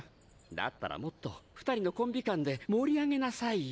だったらもっと２人のコンビ感で盛り上げなさいよ。